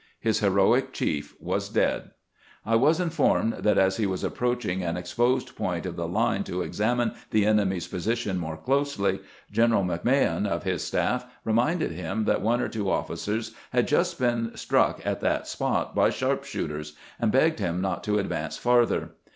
His heroic chief was dead, I was informed that as he was 90 CAMPAIGNING "WITH GRANT approacliing an exposed point of the line to examine the enemy's position more closely, General McMahon, of his staff, reminded him that one or two officers had just been struck at that spot by sharp shooters, and begged him not to advance farther.